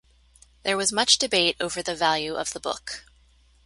There was much debate over the value of the book.